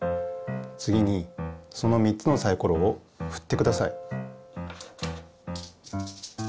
つぎにその３つのサイコロをふってください。